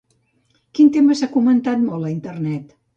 Quin tema s'ha comentat molt a Internet?